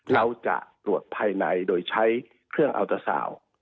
เราจะตรวจภายในโดยใช้เครื่องอัลเตอร์ซาวน์